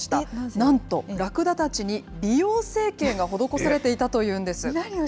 なんと、ラクダたちに美容整形が施されていたというんです。